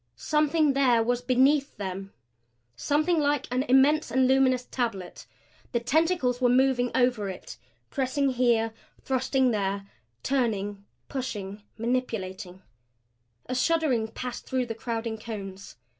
Something there was beneath them something like an immense and luminous tablet. The tentacles were moving over it pressing here, thrusting there, turning, pushing, manipulating A shuddering passed through the crowding cones.